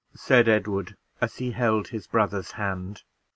said Edward as he held his brother's hand.